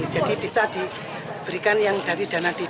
jadi bisa diberikan yang dari dana dd